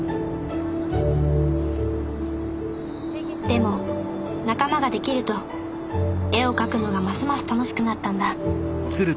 でも仲間ができると絵を描くのがますます楽しくなったんだ